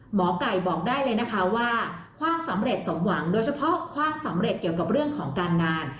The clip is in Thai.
หมอไก่บอกได้เลยนะคะว่าความสำเร็จสมหวังโดยเฉพาะความสำเร็จเกี่ยวกับเรื่องของการงาน